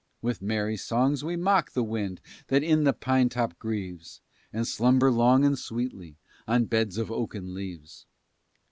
With merry songs we mock the wind That in the pine top grieves, And slumber long and sweetly On beds of oaken leaves.